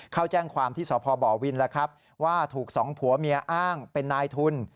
เขาแจ้งความที่สพบ่อวินว่าถูก๒ผัวเมียอ้างเป็นนายทุน